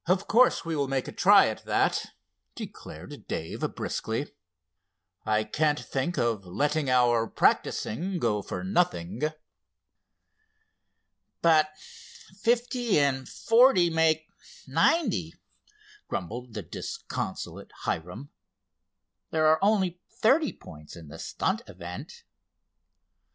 "Of course we will make a try at that," declared Dave, briskly. "I can't think of letting our practicing go for nothing." "But fifty and forty make ninety," grumbled the disconsolate Hiram. "There are only thirty points in the stunt event."